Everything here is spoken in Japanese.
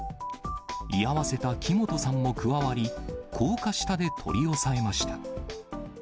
居合わせた木本さんも加わり、高架下で取り押さえました。